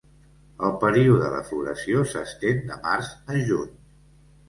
El període de floració s'estén de març a juny.